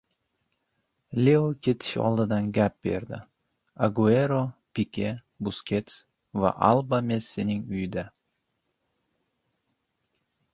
Leo ketish oldidan "gap" berdi: Aguero, Pike, Buskets va Alba Messining uyida